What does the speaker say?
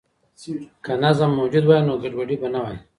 که نظم موجود وای نو ګډوډي به نه وای.